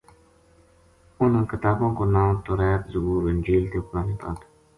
انہاں کتاباں کو ناں، توریت، زبور انجیل تے قرآن پاک ہے۔